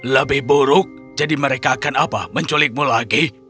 lebih buruk jadi mereka akan apa menculikmu lagi